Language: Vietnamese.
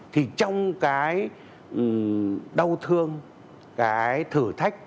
thì trong cái đau thương cái thử thách